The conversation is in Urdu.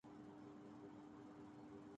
ملک تیل کے وسائل سے مالا مال ہے